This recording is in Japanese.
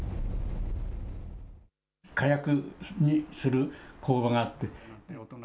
火薬にする工場があって。